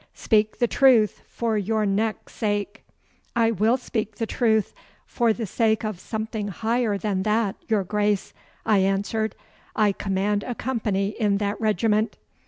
Speak the truth for your neck's sake.' 'I will speak the truth for the sake of something higher than that, your Grace,' I answered. 'I command a company in that regiment.